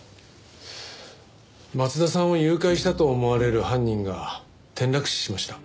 松田さんを誘拐したと思われる犯人が転落死しました。